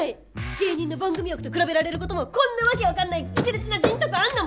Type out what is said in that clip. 芸人の番組枠と比べられる事もこんな訳わかんないキテレツな人徳あんのも！